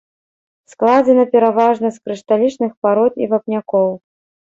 Складзена пераважна з крышталічных парод і вапнякоў.